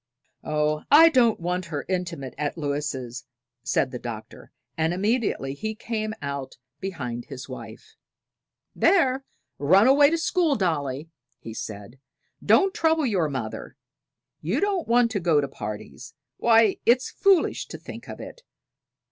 "Oh, I don't want her intimate at Lewis's," said the Doctor, and immediately he came out behind his wife. "There; run away to school, Dolly," he said. "Don't trouble your mother; you don't want to go to parties; why, it's foolish to think of it.